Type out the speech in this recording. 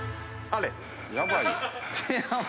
あれ？